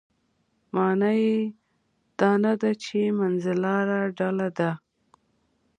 معنا یې دا نه ده چې منځلاره ډله ده.